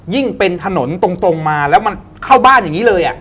เป็นถนนตรงมาแล้วมันเข้าบ้านอย่างนี้เลย